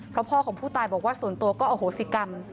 เพราะพ่อของผู้ตายบอกว่าส่วนตัวก็อโหสิกรรม